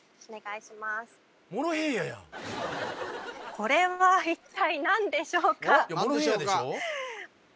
これは一体何でしょうか？